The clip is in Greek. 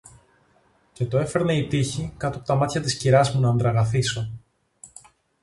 Και το έφερνε η τύχη, κάτω από τα μάτια της κυράς μου ν' ανδραγαθήσω!